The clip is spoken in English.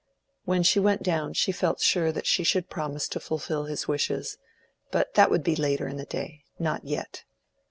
When she went down she felt sure that she should promise to fulfil his wishes; but that would be later in the day—not yet.